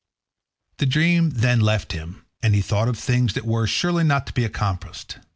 The dream then left him, and he thought of things that were surely not to be accomplished.